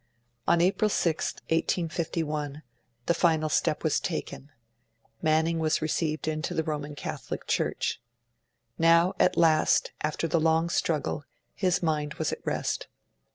On April 6th, 1851, the final step was taken: Manning was received into the Roman Catholic Church. Now at last, after the long struggle, his mind was at rest.